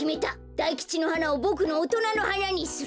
大吉の花をボクのおとなの花にする。